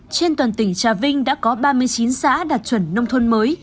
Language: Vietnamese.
trên toàn tỉnh trà vinh đã có ba mươi chín xã đạt chuẩn nông thôn mới